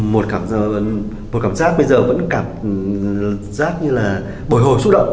một cảm giác bây giờ vẫn cảm giác như là bồi hồi xúc động